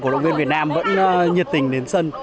cổ động viên việt nam vẫn nhiệt tình đến sân